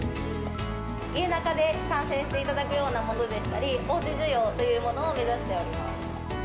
家なかで観戦していただくようなものでしたり、おうち需要というものを目指しております。